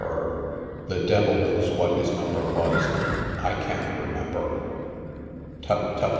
—, the devil knows what his number was, I can't remem ber—'' "Tut! tut!